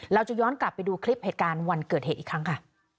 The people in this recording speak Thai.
เราจะย้อนกลับไปดูคลิปเหตุการณ์วันเกิดเหตุอีกครั้งค่ะ